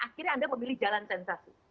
akhirnya anda memilih jalan sensasi